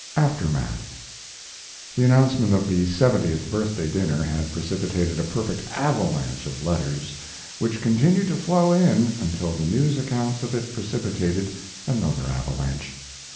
AFTERMATH The announcement of the seventieth birthday dinner had precipitated a perfect avalanche of letters, which continued to flow in until the news accounts of it precipitated another avalanche.